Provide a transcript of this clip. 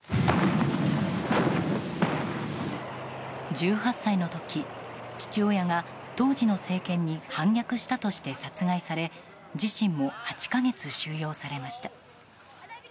１８歳の時、父親が当時の政権に反逆したとして殺害され自身も８か月収容されました。